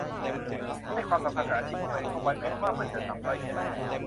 ให้ความสำคัญกับอาชีพของตัวเองเข้าไว้ แม้ว่ามันจะต่ำต้อยแค่ไหน